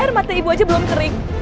karena mata ibu aja belum kering